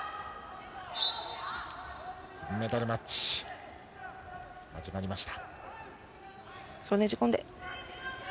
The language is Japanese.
金メダルマッチが始まりました。